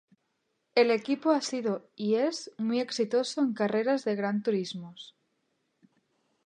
El equipo ha sido y es muy exitoso en carreras de gran turismos.